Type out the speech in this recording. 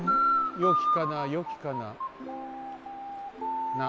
よきかなよきかなな。